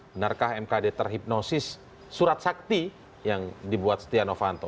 benarkah mkd terhipnosis surat sakti yang dibuat setia novanto